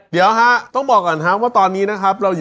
เดี๋ยวฮะต้องบอกก่อนครับว่าตอนนี้นะครับเราอยู่